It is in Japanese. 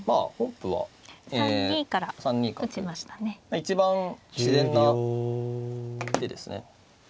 一番自然な手ですね。